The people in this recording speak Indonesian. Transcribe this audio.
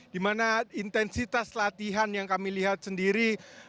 dimana intensitas latihan yang kami lihat sendiri